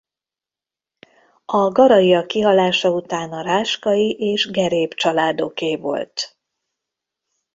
A Garaiak kihalása után a Ráskai és Geréb családoké volt.